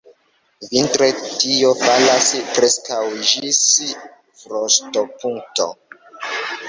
Vintre tio falas preskaŭ ĝis frostopunkto.